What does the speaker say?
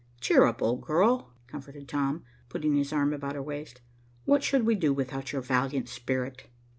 "Cheer up, old girl," comforted Tom, putting his arm about her waist. "What should we do without your valiant spirit?"